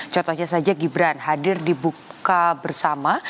contohnya saja gibran hadir dibuka bersama